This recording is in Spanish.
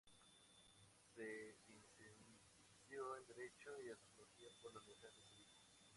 Se licenció en Derecho y Antropología por la Universidad de Sevilla.